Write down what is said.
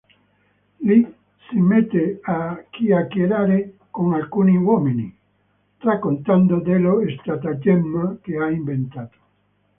Lì, si mette a chiacchierare con alcuni uomini, raccontando dello stratagemma che ha inventato.